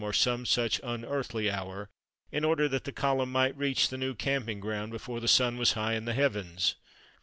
or some such unearthly hour, in order that the column might reach the new camping ground before the sun was high in the heavens.